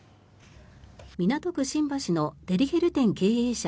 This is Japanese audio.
港区新橋のデリヘル店経営者